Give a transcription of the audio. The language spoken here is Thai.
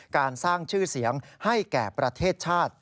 การสร้างชื่อเสียงให้แก่ประเทศชาติ